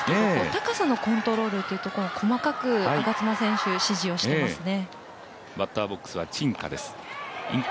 高さのコントロールというところが細かく我妻選手、指示をしていますね。